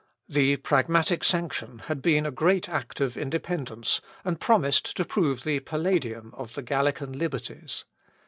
The pragmatic sanction had been a great act of independence, and promised to prove the palladium of the Gallican liberties.